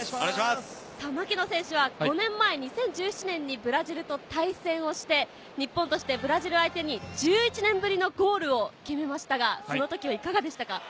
槙野選手は５年前、２０１７年にブラジルと対戦して、日本としてブラジル相手に１１年ぶりのゴールを決めましたが、その時はいかがでしたか？